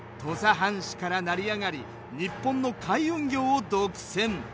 藩士から成り上がり日本の海運業を独占。